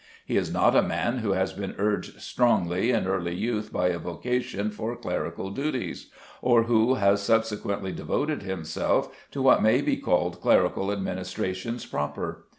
He is not a man who has been urged strongly in early youth by a vocation for clerical duties, or who has subsequently devoted himself to what may be called clerical administrations proper.